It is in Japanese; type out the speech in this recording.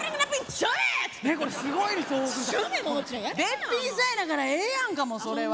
べっぴんさんなんやからええやんかもうそれは。